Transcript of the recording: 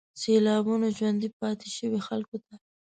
سېلابونو ژوندي پاتې شوي خلک نه